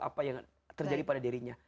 apa yang terjadi pada dirinya